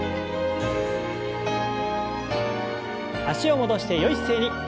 脚を戻してよい姿勢に。